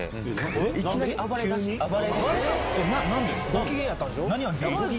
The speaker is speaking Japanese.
ご機嫌やったんでしょ？